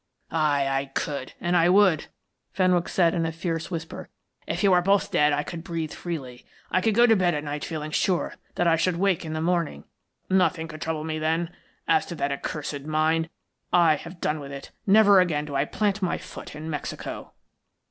"Aye, I could, and I would," Fenwick said in a fierce whisper. "If you were both dead I could breathe freely; I could go to bed at night feeling sure that I should wake in the morning. Nothing could trouble me then. As to that accursed mine, I have done with it. Never again do I plant my foot in Mexico."